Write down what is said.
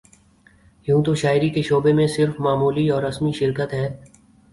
یوں تو شاعری کے شعبے میں صرف معمولی اور رسمی شرکت ہے